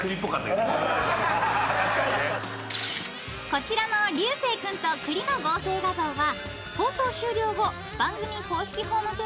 ［こちらの流星君と栗の合成画像は］